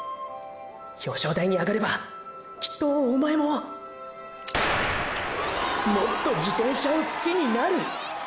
表彰台にあがればきっとおまえもーーもっと自転車を好きになる！！